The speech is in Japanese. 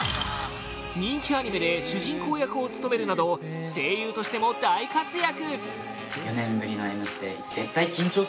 人気アニメで主人公役を務めるなど声優としても大活躍！